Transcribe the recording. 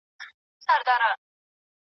ښوونکی زدهکوونکي هڅوي چې خپل هدفونه تعریف کړي.